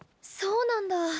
そうなんだ。